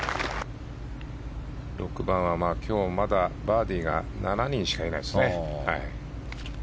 ６番は今日はまだバーディーが７人しかいないですね。